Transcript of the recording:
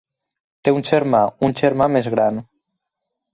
Té un germà, un germà més gran.